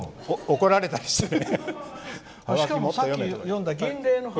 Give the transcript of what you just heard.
怒られたりしてる。